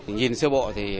nhìn xưa bộ thì